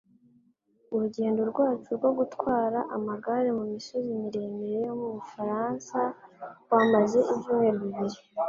Urugendo rwacu rwo gutwara amagare mu misozi miremire yo mu Bufaransa rwamaze ibyumweru bibiri.